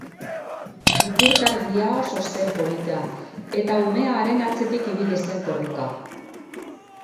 Ipurtargia oso zen polita eta umea haren atzetik ibili zen korrika.